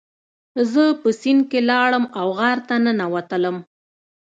زه په سیند کې لاړم او غار ته ننوتلم.